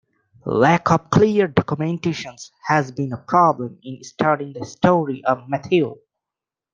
Lack of clear documentation has been a problem in studying the history of "Matthew".